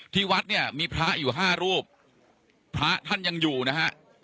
ที่วัดเนี่ยมีพระอยู่ห้ารูปพระท่านยังอยู่นะฮะ